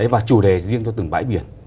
và chủ đề riêng cho từng bãi biển